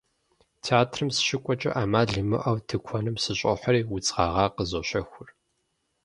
Театрым сыщыкӏуэкӏэ ӏэмал имыӏэу тыкуэным сыщӏохьэри, удз гъэгъа къызощэхур.